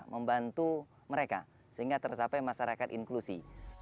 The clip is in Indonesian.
membantu mereka sehingga tersapai masyarakat inklusi